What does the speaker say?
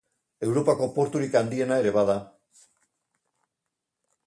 Europako porturik handiena ere bada.